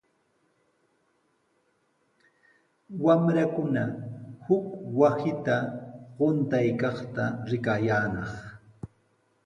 Wamrakuna huk wasita quntaykaqta rikayaanaq.